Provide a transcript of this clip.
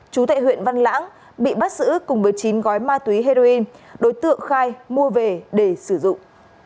chú tại huyện văn lãng bị bắt giữ cùng với chín gói ma túy heroin đối tượng khai mua về để sử dụng